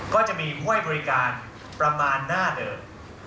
ก็จะมีห้วยบริการประมาณหน้าเดิม